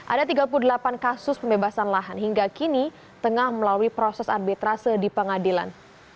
ada tiga puluh delapan kasus pembebasan lahan hingga kini tengah melalui proses arbitrase di pengadilan